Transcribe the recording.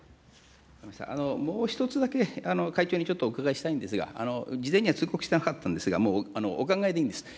もう１つだけ、会長にちょっとお伺いしたいんですが、事前には通告してなかったんですが、もうお考えでいいんです。